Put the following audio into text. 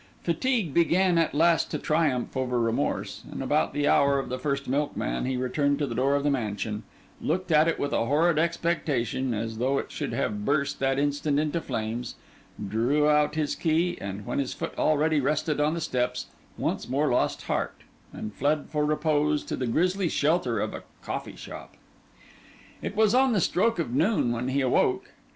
Fatigue began at last to triumph over remorse; and about the hour of the first milkman, he returned to the door of the mansion; looked at it with a horrid expectation, as though it should have burst that instant into flames; drew out his key, and when his foot already rested on the steps, once more lost heart and fled for repose to the grisly shelter of a coffee shop. It was on the stroke of noon when he awoke.